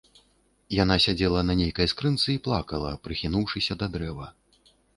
Яна сядзела на нейкай скрынцы і плакала, прыхінуўшыся да дрэва.